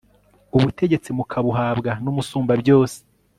ubutegetsi mukabuhabwa n'umusumbabyose